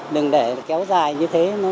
đừng để kéo dài như thế